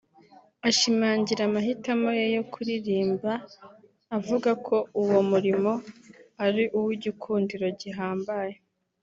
Ashimangira amahitamo ye yo kuririmba avuga ko uwo “murimo ari uw’igikundiro gihambaye